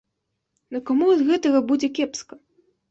Ну каму ад гэтага будзе кепска?